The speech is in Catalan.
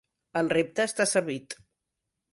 El repte està servit.